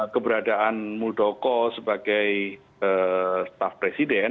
keberadaan muldoko sebagai staff presiden